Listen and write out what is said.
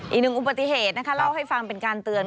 อีกหนึ่งอุบัติเหตุนะคะเล่าให้ฟังเป็นการเตือน